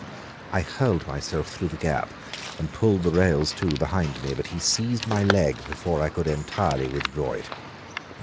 I hurled myself through the gap and pulled the rails to behind me, but he seized my leg before I could entirely withdraw it.